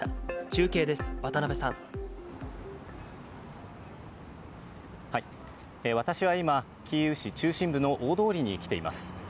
中継です、私は今、キーウ市中心部の大通りに来ています。